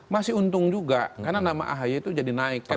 masih untung juga karena nama ahy itu jadi naik